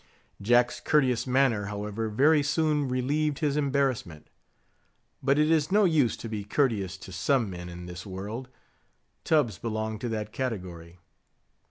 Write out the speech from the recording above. Jack's courteous manner, however, very soon relieved his embarrassment; but it is no use to be courteous to some men in this world. Tubbs belonged to that category.